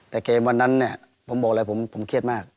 แต่เกมวันนั้นเนี่ยผมบอกเลยผมเครียดมาก